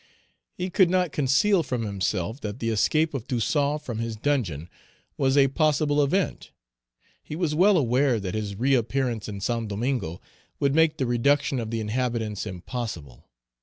He could not conceal from himself that the escape of Toussaint from his dungeon was a possible event He was well aware that his reappearance in Saint Domingo would make the reduction of the inhabitants impossible.